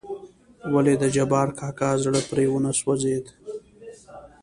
ولې دجبار کاکا زړه پرې ونه سوزېد .